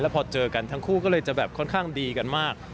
แล้วพอเจอกันทั้งคู่ก็จะค่อนข้างดีกันมาก